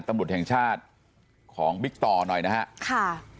ตำรุดแห่งชาติของบิคตอร์หน่อยนะครับ